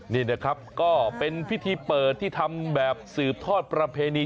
นี่นะครับก็เป็นพิธีเปิดที่ทำแบบสืบทอดประเพณี